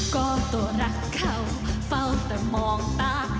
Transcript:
ก็ตัวรักเขาเฝ้าแต่มองตา